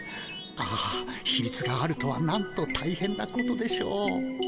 ああひみつがあるとはなんとたいへんなことでしょう。